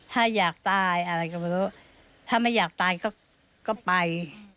ถ้าอยากตายอะไรก็ไม่รู้ถ้าไม่อยากตายก็ไป